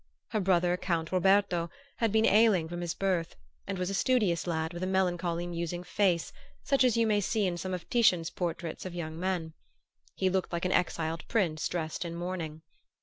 Her brother, Count Roberto, had been ailing from his birth, and was a studious lad with a melancholy musing face such as you may see in some of Titian's portraits of young men. He looked like an exiled prince dressed in mourning.